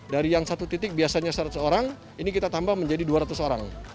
dari yang satu titik biasanya seratus orang ini kita tambah menjadi dua ratus orang